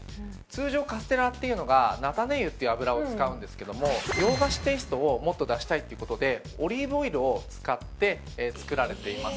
通常カステラっていうのが菜種油っていう油を使うんですけども洋菓子テイストをもっと出したいっていう事でオリーブオイルを使って作られていますこちら。